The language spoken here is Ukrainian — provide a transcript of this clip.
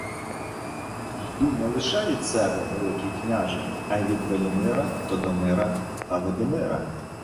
— Йду не лише від себе, Великий княже, а й від Велімира, Тодомира та Видимира...